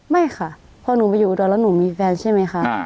ไม่ค่ะพอหนูไปอยู่อุดรแล้วหนูมีแฟนใช่ไหมคะ